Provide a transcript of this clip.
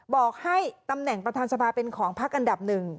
บอกให้ตำแหน่งประธานสภาเป็นของพักอันดับหนึ่ง